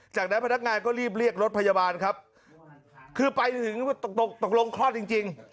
จากนั้นพนักงานก็รีบเรียกรถพยาบาลครับคือไปถึงตกตกลงคลอดจริงจริง